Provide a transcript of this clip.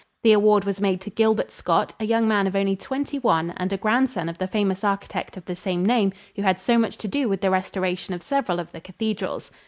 The award was made to Gilbert Scott, a young man of only twenty one and a grandson of the famous architect of the same name who had so much to do with the restoration of several of the cathedrals.